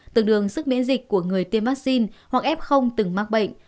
tương đương sức miễn dịch của người tiêm vaccine hoặc f từng mắc bệnh